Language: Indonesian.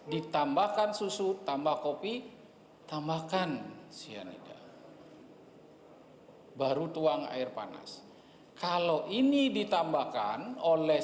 ditambahkan susu tambah kopi tambahkan cyanida baru tuang air panas kalau ini ditambahkan oleh